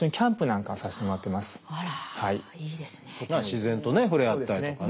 自然とね触れ合ったりとかね。